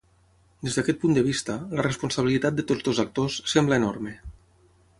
Des d’aquest punt de vista, la responsabilitat de tots dos actors sembla enorme.